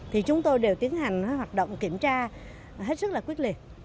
thì chúng tôi đều tiến hành hoạt động kiểm tra hết sức là quyết liệt